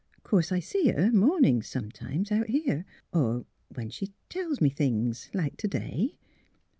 Of course I see her, mornings sometimes, out here, or when — when she tells me things, like to day."